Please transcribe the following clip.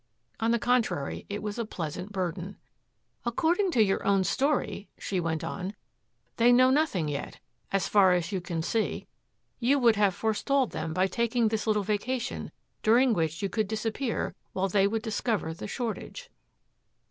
On the contrary, it was a pleasant burden. "According to your own story," she went on, "they know nothing yet, as far as you can see. You would have forestalled them by taking this little vacation during which you could disappear while they would discover the shortage.